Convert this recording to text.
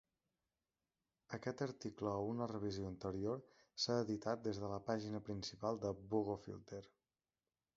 Aquest article o una revisió anterior s'ha editat des de la pàgina principal de bogofilter.